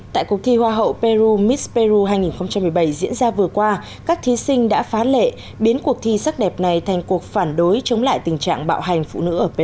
tại cuộc thi hoa hậu peru misperu hai nghìn một mươi bảy diễn ra vừa qua các thí sinh đã phá lệ biến cuộc thi sắc đẹp này thành cuộc phản đối chống lại tình trạng bạo hành phụ nữ ở peru